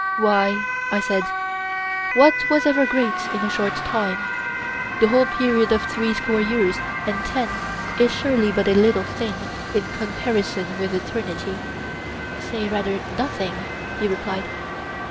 Why, I said, what was ever great in a short time? The whole period of three score years and ten is surely but a little thing in comparison with eternity? Say rather 'nothing,' he replied.